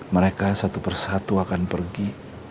mereka satu persatu akan pergi